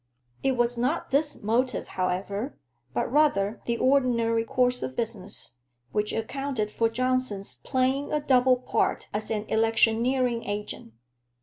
It was not this motive, however, but rather the ordinary course of business, which accounted for Johnson's playing a double part as an electioneering agent.